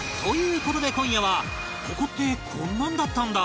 事で今夜はここってこんなんだったんだ！